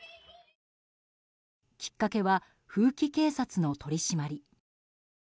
きっかけは風紀警察の取り締まり。